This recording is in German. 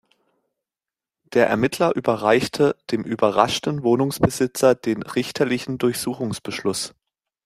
Der Ermittler überreichte dem überraschten Wohnungsbesitzer den richterlichen Durchsuchungsbeschluss.